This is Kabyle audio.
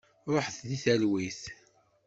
Ruḥet deg talwit.